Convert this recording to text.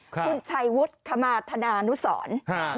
คุณชัยวุฒิขมาธนานุสร